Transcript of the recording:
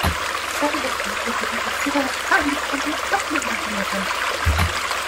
Sediment can therefore be considered to be a time-dependent coupling mechanism.